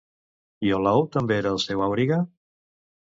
Iolau també era el seu auriga?